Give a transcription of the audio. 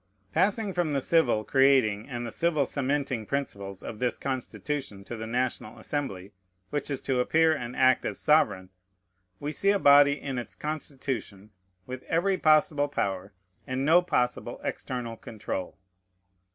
Passing from the civil creating and the civil cementing principles of this Constitution to the National Assembly, which is to appear and act as sovereign, we see a body in its constitution with every possible power and no possible external control.